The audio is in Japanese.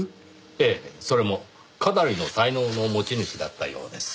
ええそれもかなりの才能の持ち主だったようです。